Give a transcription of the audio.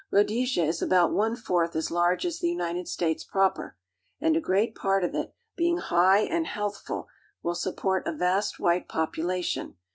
Rhodesia is about one fourth as large as the United States proper; and a great part of it, being high and ^^ ab lealthful, will siipport a vast white population.